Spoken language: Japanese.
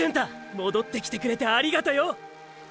戻ってきてくれてありがとよ！！